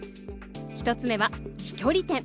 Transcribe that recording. １つ目は飛距離点。